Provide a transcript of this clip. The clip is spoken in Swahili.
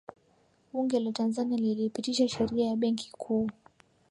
bunge la tanzania lilipitisha sheria ya benki kuu